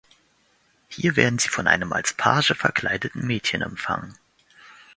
Hier werden sie von einem als Page verkleideten Mädchen empfangen.